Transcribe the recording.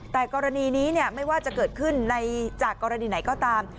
แต่กรณีนี้ไม่ว่าจะเกิดขึ้นจากกรณีไหนก็ตาม